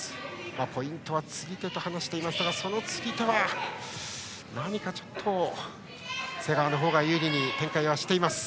ポイントは釣り手と話していましたがその釣り手は瀬川の方が有利に展開はしています。